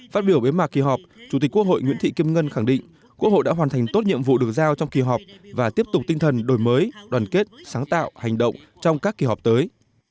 phát biểu bế mạc kỳ họp chủ tịch quốc hội nguyễn thị kim ngân khẳng định quốc hội đã hoàn thành tốt nhiệm vụ được giao trong kỳ họp và tiếp tục tinh thần đổi mới đoàn kết sáng tạo hành động trong các kỳ họp tới